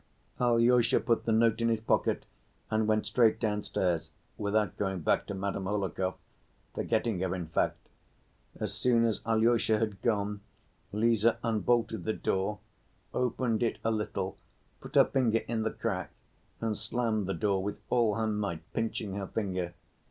Alyosha put the note in his pocket and went straight downstairs, without going back to Madame Hohlakov; forgetting her, in fact. As soon as Alyosha had gone, Lise unbolted the door, opened it a little, put her finger in the crack and slammed the door with all her might, pinching her finger.